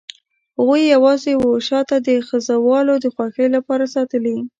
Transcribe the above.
هغوی یې یوازې وه شاته د خزهوالو د خوښۍ لپاره ساتلي.